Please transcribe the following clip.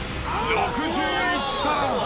６１皿。